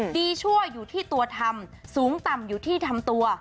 ชั่วอยู่ที่ตัวทำสูงต่ำอยู่ที่ทำตัว